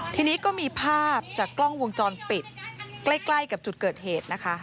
ทีนี้ก็มีภาพจากกล้องวงจรปิดใกล้กับจุดเกิดเหตุนะคะ